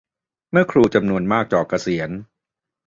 เมื่อครูจำนวนมากจ่อเกษียณ